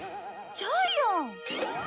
ジャイアン！